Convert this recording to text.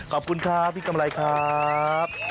ขอบคุณครับพี่กำไรครับ